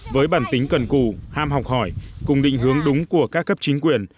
với bản tính cần cù ham học hỏi cùng định hướng đúng của các cấp chính quyền